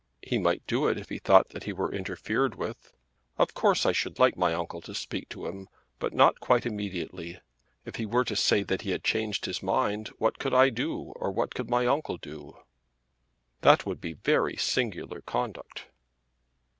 "He might do it if he thought that he were interfered with. Of course I should like my uncle to speak to him, but not quite immediately. If he were to say that he had changed his mind, what could I do, or what could my uncle do?" "That would be very singular conduct."